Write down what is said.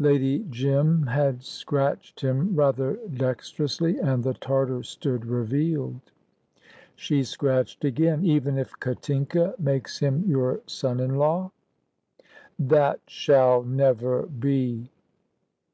Lady Jim had scratched him rather dexterously, and the Tartar stood revealed. She scratched again. "Even if Katinka makes him your son in law?" "That shall never be!"